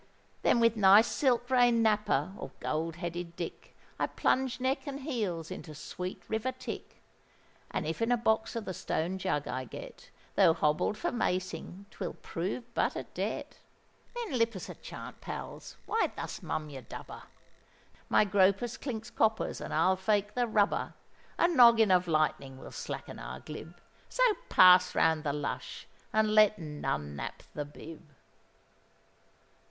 Then with nice silk rain napper, or gold headed dick, I plunge neck and heels into sweet river tick; And if in a box of the stone jug I get, Though hobbled for macing, 'twill prove but a debt. Then lip us a chant, pals! Why thus mum your dubber? My gropus clinks coppers, and I'll fake the rubber: A noggin of lightning will slacken our glib; So pass round the lush, and let none nap the bib.